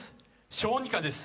小児科です。